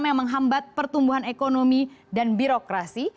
yang menghambat pertumbuhan ekonomi dan birokrasi